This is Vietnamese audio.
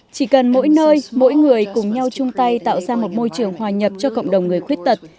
chỉ cần mỗi nơi mỗi người cùng nhau chung tay tạo ra một môi trường hòa nhập cho cộng đồng người khuyết tật